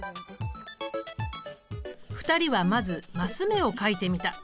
２人はまずマス目を書いてみた。